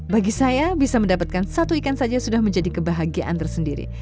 bagi saya bisa mendapatkan satu ikan saja sudah menjadi kebahagiaan tersendiri